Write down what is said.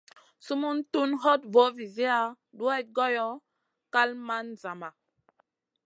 Sumun tun hoɗ voo viziya duwayd goyo, kal man zama.